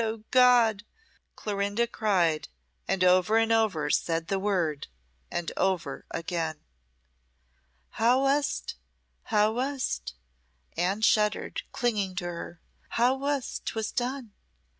O God!" Clorinda cried, and over and over said the word, and over again. "How was't how was't?" Anne shuddered, clinging to her. "How was't 'twas done?